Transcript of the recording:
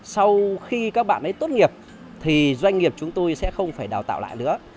sau khi các bạn ấy tốt nghiệp thì doanh nghiệp chúng tôi sẽ không phải đào tạo lại nữa